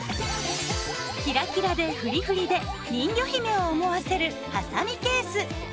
キラキラでフリフリで人魚姫を思わせるハサミケース。